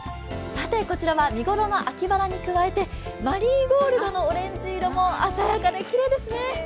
こちらは、見頃の秋バラに加えてマリーゴールドのオレンジ色も鮮やかできれいですね。